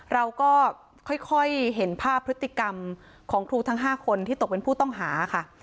เราก็ค่อยเห็นภาพพฤติกรรมของครูทั้ง๕คนที่ตกเป็นผู้ต้องหาค่ะ